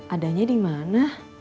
adanya di mana